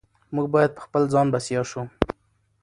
موږ باید په خپل ځان بسیا شو.